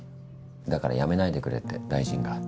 だから辞めないでくれって大臣が。